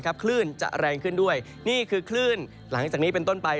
คลื่นจะแรงขึ้นด้วยนี่คือคลื่นหลังจากนี้เป็นต้นไป